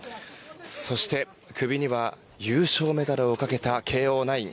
そして、首には優勝メダルをかけた慶応ナイン。